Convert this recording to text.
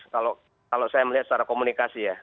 kalau saya melihat secara komunikasi ya